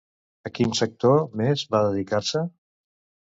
A quin sector més va dedicar-se?